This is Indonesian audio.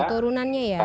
betul turunannya ya